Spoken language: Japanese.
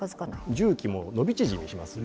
重機も伸び縮みしますよね。